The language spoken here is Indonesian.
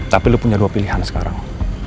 tapi lo punya dua pilihan sekarang